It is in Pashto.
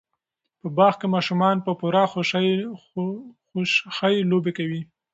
په باغ کې ماشومان په پوره خوشحۍ لوبې کوي.